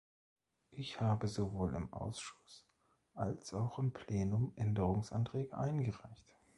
Ich habe sowohl im Ausschuss als auch im Plenum Änderungsanträge eingereicht.